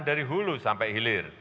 dari hulu sampai hilir